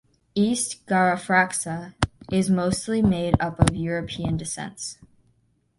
East Garafraxa is mostly made up of European descents.